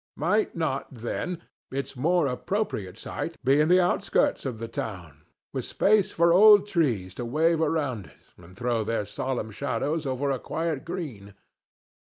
Might not, then, its more appropriate site be in the outskirts of the town, with space for old trees to wave around it and throw their solemn shadows over a quiet green?